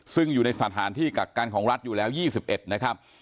ซึ่งอยู่ในสถานที่กักกันของรัฐอยู่แล้ว๒๑นะครับ